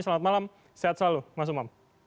selamat malam sehat selalu mas umam